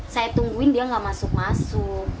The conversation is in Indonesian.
saya tungguin dia gak masuk masuk